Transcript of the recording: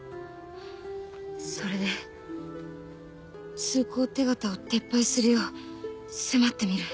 それで通行手形を撤廃するよう迫ってみる。